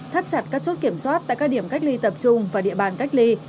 thắt chặt các chốt kiểm soát tại các điểm cách ly tập trung và địa bàn cách ly